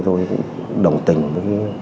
tôi đồng tình với